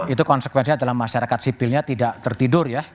itu konsekuensinya adalah masyarakat sipilnya tidak tertidur ya